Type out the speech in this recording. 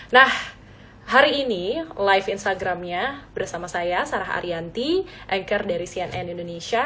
nah hari ini live instagramnya bersama saya sarah arianti anchor dari cnn indonesia